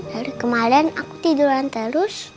dari kemarin aku tiduran terus